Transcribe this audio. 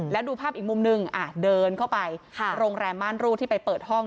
แล้วดูภาพอีกมุมนึงเดินเข้าไปโรงแรมม่านรูดที่ไปเปิดห้อง